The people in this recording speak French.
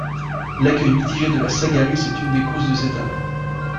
L'accueil mitigé de la Sagaris est une des causes de cet arrêt.